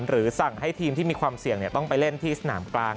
หรือสั่งให้ทีมที่มีความเสี่ยงต้องไปเล่นที่สนามกลาง